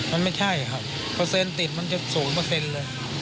มันไม่ใช่ครับเปอร์เซ็นติดมันจะสูงเปอร์เซ็นต์เลย